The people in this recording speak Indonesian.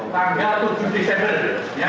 tanggal tujuh desember